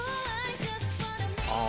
ああ。